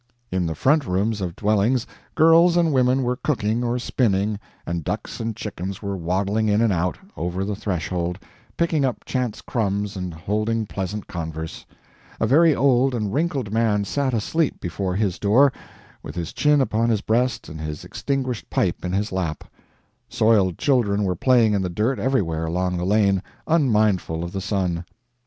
In the front rooms of dwellings girls and women were cooking or spinning, and ducks and chickens were waddling in and out, over the threshold, picking up chance crumbs and holding pleasant converse; a very old and wrinkled man sat asleep before his door, with his chin upon his breast and his extinguished pipe in his lap; soiled children were playing in the dirt everywhere along the lane, unmindful of the sun.